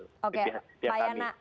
oke pak yana